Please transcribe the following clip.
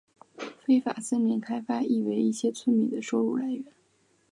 非法森林开发亦为一些村民的收入来源。